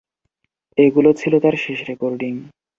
এগুলো ছিল তার শেষ রেকর্ডিং।